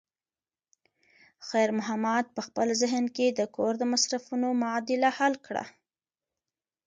خیر محمد په خپل ذهن کې د کور د مصرفونو معادله حل کړه.